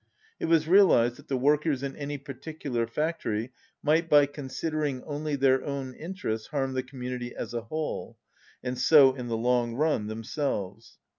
It was realized that the workers in any particular fac tory might by considering only their own inter ests harm the community as a whole, and so, in the long run, themselves.